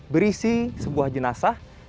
berisi sebuah jenazah